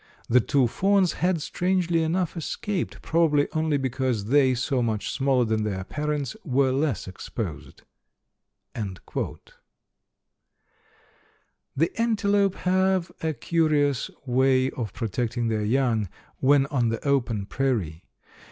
The two fawns had, strangely enough, escaped, probably only because they, so much smaller than their parents, were less exposed." The antelope have a curious way of protecting their young, when on the open prairie.